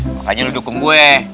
makanya lu dukung gue